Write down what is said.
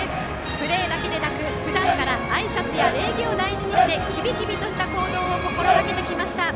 プレーだけでなくふだんからあいさつや礼儀を大事にしてきびきびとした行動を心がけてきました。